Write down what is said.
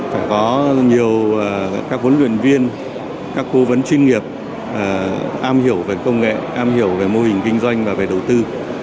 phải có nhiều các huấn luyện viên các cố vấn chuyên nghiệp am hiểu về công nghệ am hiểu về mô hình kinh doanh và về đầu tư